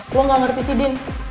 lo gak ngerti sih din